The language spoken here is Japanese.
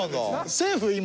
セーフ今？